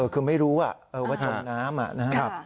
คือไม่รู้ว่าจบน้ำ